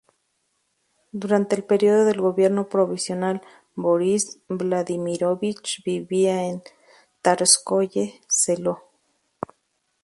Durante el período del gobierno provisional Borís Vladímirovich vivía en Tsárskoye Seló.